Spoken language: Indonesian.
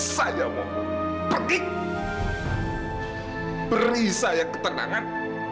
saya mau pergi beri saya ketenangan